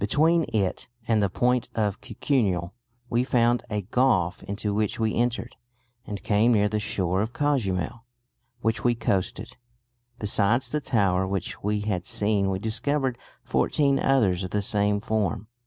Between it and the point of Cucuniel we found a gulf into which we entered, and came near the shore of Cuzamil, which we coasted. Besides the tower which we had seen we discovered fourteen others of the same form."